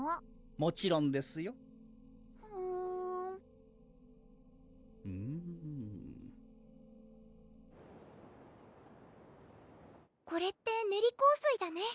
もちろんですよふんこれって練り香水だね